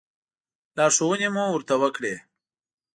لارښوونې مو ورته وکړې.